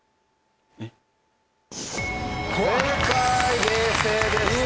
正解冷静でした。